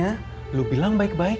kamu harus berbicara dengan baik baik